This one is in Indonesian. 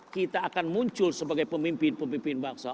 kita akan muncul sebagai pemimpin pemimpin bangsa